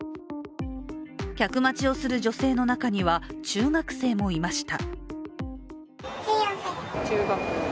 客待ちをする女性の中には中学生もいました。